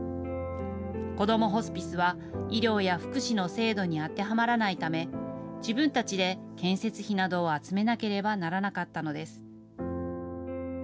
こどもホスピスは、医療や福祉の制度に当てはまらないため、自分たちで建設費などを集めなければならなかったのです。